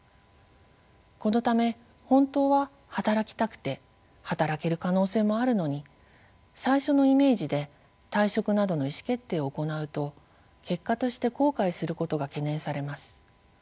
このため本当は働きたくて働ける可能性もあるのに最初のイメージで退職などの意思決定を行うと結果として後悔することが懸念されます。